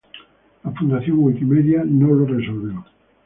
La Fundación Wikimedia no lo resolvió.